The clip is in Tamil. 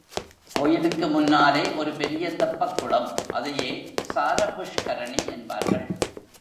கோயிலுக்கு முன்னாலே ஒரு பெரிய தெப்பக் குளம், அதையே சார புஷ்கரணி என்பார்கள்.